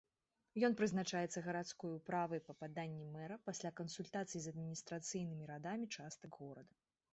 Ён прызначаецца гарадской управай па паданні мэра пасля кансультацый з адміністрацыйнымі радамі частак горада.